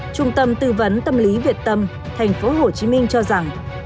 trung tâm tư vấn tâm lý việt tâm tp hcm cho rằng